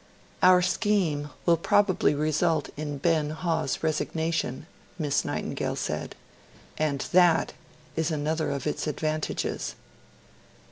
'Our scheme will probably result in Ben Hawes's resignation,' Miss Nightingale said; 'and that is another of its advantages.'